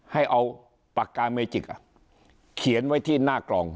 ให้เอาปากกาเมจิกเขียนไว้ที่หน้ากล่อง